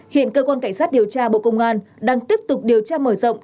hiện cơ quan cảnh sát điều tra bộ công an đang tiếp tục điều tra mở rộng